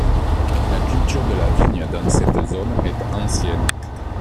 La culture de la vigne dans cette zone est ancienne.